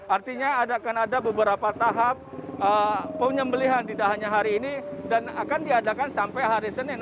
artinya akan ada beberapa tahap penyembelihan tidak hanya hari ini dan akan diadakan sampai hari senin